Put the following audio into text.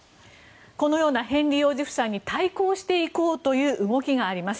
このようなヘンリー王子夫妻に対抗していこうという動きがあります。